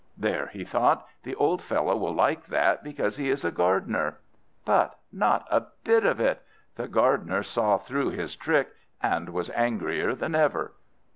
"There!" he thought, "the old fellow will like that, because he is a Gardener." But not a bit of it! The Gardener saw through his trick, and was angrier than ever.